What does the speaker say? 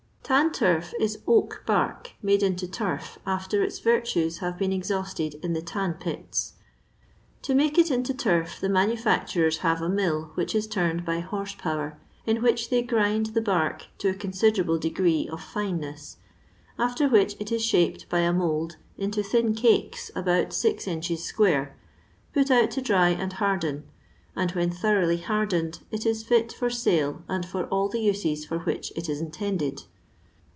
Tak TURT is oak bark made into turf after its virtues have been exhausted in the tan pits. To moke it into turf the manufacturers have a mill which is turned by horse power, in which they grind the bark to a considerable degree of fineness, after which it is shaped by a mould into thin cakes about six inches square, put out to dry and harden, and when thoroughly hardened it is fit for sale and for all the uses for which it is in tended.